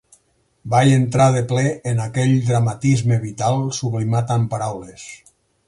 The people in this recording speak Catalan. Vaig entrar de ple en aquell dramatisme vital, sublimat amb paraules.